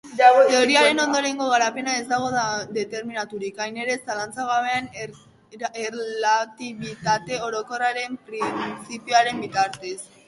Teoriaren ondorengo garapena ez dago determinaturik hain era zalantzagabean erlatibitate orokorraren printzipioaren bitartez.